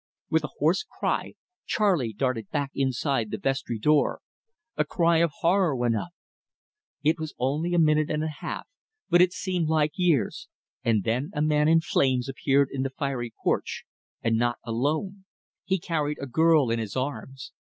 With a hoarse cry, Charley darted back inside the vestry door. A cry of horror went up. It was only a minute and a half, but it seemed like years, and then a man in flames appeared in the fiery porch and not alone. He carried a girl in his arms.